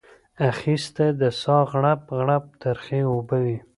اخیسته د ساه غړپ غړپ ترخې اوبه وې